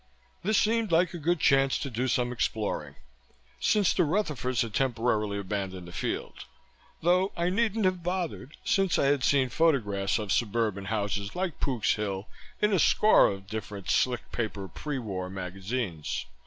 This seemed like a good chance to do some exploring since the Rutherfords had temporarily abandoned the field though I needn't have bothered since I had seen photographs of suburban houses like Pook's Hill in a score of different slick paper pre war magazines.